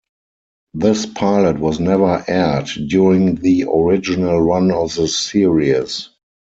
This pilot was never aired during the original run of the series.